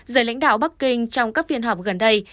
giới lãnh đạo bắc kinh trong các phiên họp gần đây